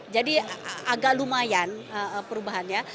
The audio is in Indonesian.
jadi agak lumayan perubahannya